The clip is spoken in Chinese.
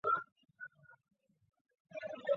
这些版本不能与其他版本一样粗暴使用。